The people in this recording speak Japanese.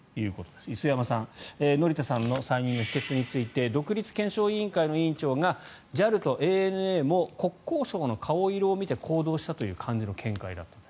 磯山さん乗田さんの再任の否決について独立検証委員会の委員長がＪＡＬとＡＮＡも国交省の顔色を見て行動したという感じの見解だったと。